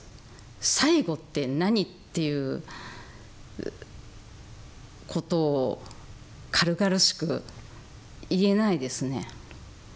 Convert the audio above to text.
最後って何？」っていうことを軽々しく言えないですね。